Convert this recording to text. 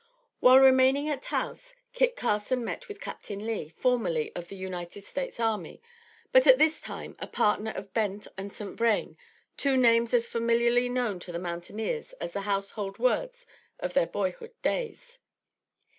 While remaining at Taos, Kit Carson met with Captain Lee, formerly of the United States Army; but, at this time, a partner of Bent and St. Vrain, two names as familiarly known to the mountaineers as the household words of their boyhood days.